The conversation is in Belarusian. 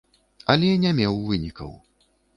Але не меў вынікаў.